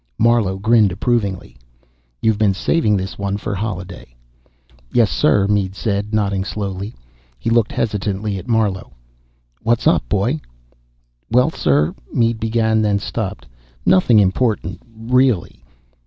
Marlowe grinned approvingly. "You been saving this one for Holliday?" "Yes, sir," Mead said, nodding slowly. He looked hesitantly at Marlowe. "What's up, Boy?" "Well, sir " Mead began, then stopped. "Nothing important, really."